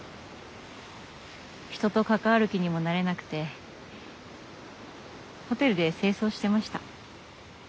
人と関わる気にもなれなくてホテルで清掃してました。